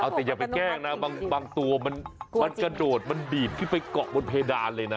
แต่อย่าไปแกล้งนะบางตัวมันกระโดดมันดีดขึ้นไปเกาะบนเพดานเลยนะ